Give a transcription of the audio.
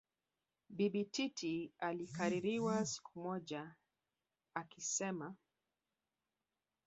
Bibi Titi alikaririwa siku moja akisema